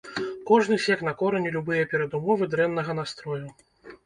Кожны сек на кораню любыя перадумовы дрэннага настрою.